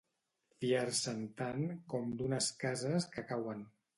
Fiar-se'n tant com d'unes cases que cauen.